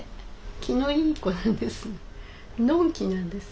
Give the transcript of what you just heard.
気のいい子なんです。